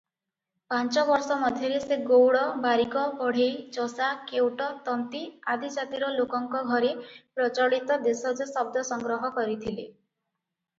ପାଞ୍ଚ ବର୍ଷ ମଧ୍ୟରେ ସେ ଗଉଡ଼, ବାରିକ, ବଢ଼େଇ, ଚଷା, କେଉଟ, ତନ୍ତୀ ଆଦି ଜାତିର ଲୋକଙ୍କ ଘରେ ପ୍ରଚଳିତ ଦେଶଜ ଶବ୍ଦ ସଂଗ୍ରହ କରିଥିଲେ ।